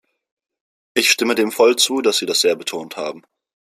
Ich stimme dem voll zu, dass Sie das sehr betont haben.